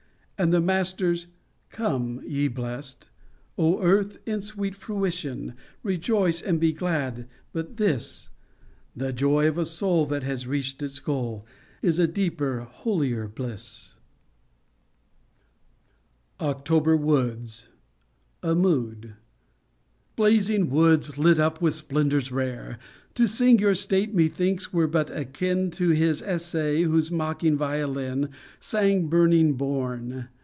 " And the Master's " Come, ye blest !" O earth ! in your sweet fruition Rejoice and be glad ! but this, 'The joy of a soul that has reached its goal, Is a deeper, holier bliss. 98 OCTOBER WOODS OCTOBER WOODS A MOOD blazing woods, lit up with splendors rare ! To sing your state, methinks, were bat akin To his essay whose mocking violin Sang burning Borne.